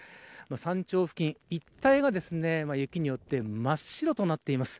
山頂付近一帯が雪によって真っ白となっています。